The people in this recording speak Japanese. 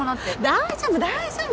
大丈夫大丈夫！